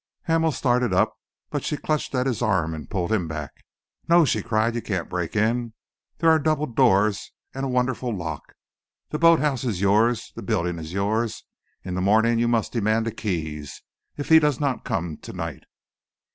Hamel started up, but she clutched at his arm and pulled him back. "No," she cried, "you can't break in! There are double doors and a wonderful lock. The boat house is yours; the building is yours. In the morning you must demand the keys if he does not come to night!"